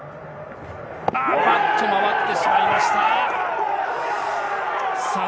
バット回ってしまいました。